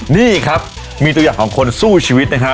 นี่ครับมีตัวอย่างของคนสู้ชีวิตนะฮะ